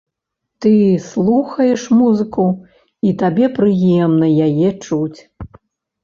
Ты слухаеш музыку, і табе прыемна яе чуць.